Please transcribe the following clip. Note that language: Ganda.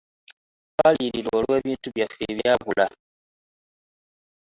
Twaliyirirwa olw'ebintu byaffe ebyabula.